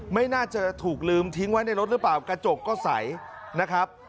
ไม่น่าจะถูกลืมทิ้งไว้ในรถหรือเปล่ากระจกก็ใสนะครับ